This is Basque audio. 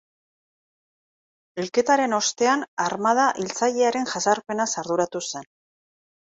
Hilketaren ostean armada hiltzailearen jazarpenaz arduratu zen.